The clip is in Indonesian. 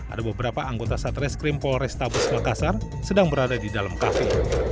ada beberapa anggota satres krim polres tabus makassar sedang berada di dalam kafe